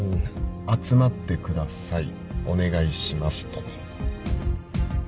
「集まってくださいお願いします」と。